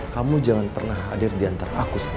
kamu jangan pernah hadir diantara aku sama dia